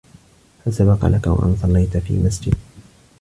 هل سبق لك و أن صلّيت في مسجد؟